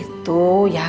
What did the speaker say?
oh gitu ya